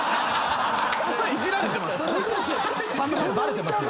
それいじられてます。